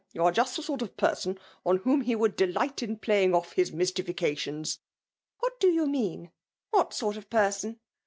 You are just the sort of person on whom he would delight in playing off his mystifications." « What do you mean ? What sort of per son?